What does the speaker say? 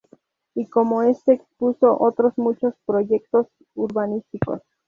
Y como este expuso otros muchos proyectos urbanísticos.